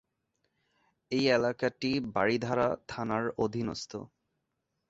এই এলাকাটি বারিধারা থানার অধীনস্থ।